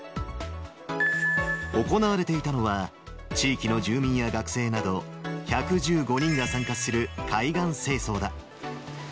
行われていたのは、地域の住民や学生など１１５人が参加する海岸清掃だ。